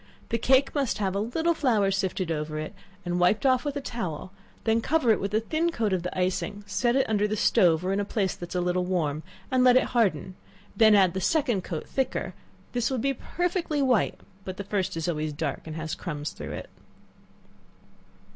The cake must have a little flour sifted over it, and wiped off with a towel, then cover it with a thin coat of the icing, set it under the stove or in a place that is a little warm, and let it harden; then add the second coat thicker; this will he perfectly white, but the first is always dark and has crumbs through it.